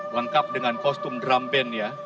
lengkap dengan kostum drum band ya